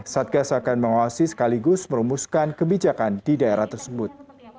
satgas akan mengawasi sekaligus merumuskan kebijakan di daerah tersebut